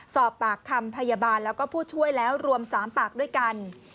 สอบปากคำพยาบาลแล้วก็ผู้ช่วยแล้วรวม๓ปากด้วยกัน